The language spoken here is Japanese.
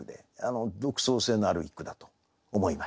独創性のある一句だと思いました。